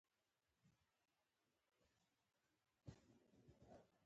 په بدو کي ورکول سوي ښځي د خوښی پرته واده کيږي.